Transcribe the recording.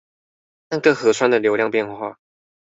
但各河川的流量變化